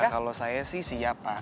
kalau saya sih siapa